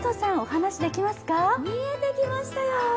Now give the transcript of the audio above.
見えてきましたよ。